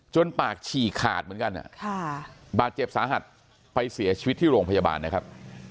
ปากฉี่ขาดเหมือนกันบาดเจ็บสาหัสไปเสียชีวิตที่โรงพยาบาลนะครับ